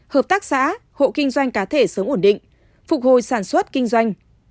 hợp tác xã hộ kinh doanh cá thể sớm ổn định phục hồi sản xuất kinh doanh